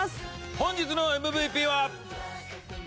本日のＭＶＰは。